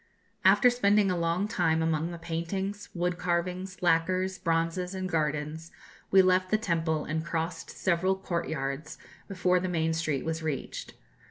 After spending a long time among the paintings, wood carvings, lacquers, bronzes, and gardens, we left the temple, and crossed several court yards, before the main street was reached.